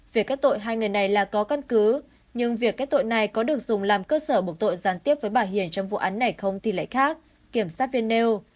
về các tội hai người này là có căn cứ nhưng việc kết tội này có được dùng làm cơ sở buộc tội giàn tiếp với bà hiền trong vụ án này không thì lại khác kiểm sát viên nêu